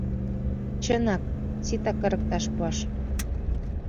«Чынак, сита кырыкташ пуаш.